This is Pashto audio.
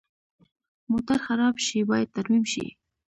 موټر خراب شي، باید ترمیم شي.